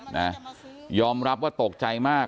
นะยอมรับว่าตกใจมาก